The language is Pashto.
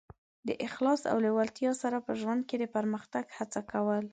د اخلاص او لېوالتیا سره په ژوند کې د پرمختګ هڅه کول.